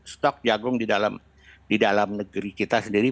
stok jagung di dalam di dalam negeri kita sendiri